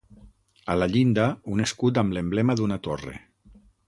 A la llinda un escut amb l'emblema d'una torre.